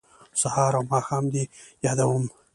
سهار او ماښام دې یادوم